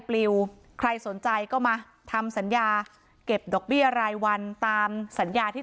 ปลิวใครสนใจก็มาทำสัญญาเก็บดอกเบี้ยรายวันตามสัญญาที่